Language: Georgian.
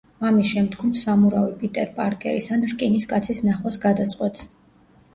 ამის შემდგომ სამურავი პიტერ პარკერის ან რკინის კაცის ნახვას გადაწყვეტს.